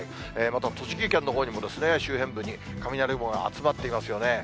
また栃木県のほうにも、周辺部に雷雲が集まっていますよね。